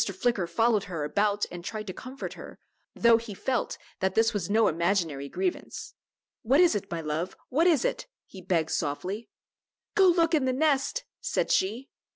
Flicker followed her about and tried to comfort her, though he felt that this was no imaginary grievance. "What is it, my love; what is it?" he begged softly. "Go look in the nest," said she.